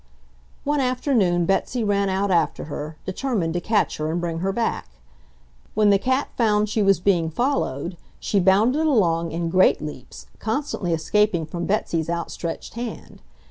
One afternoon Betsy ran out after her, determined to catch her and bring her back. When the cat found she was being followed, she bounded along in great leaps, constantly escaping from Betsy's outstretched hand.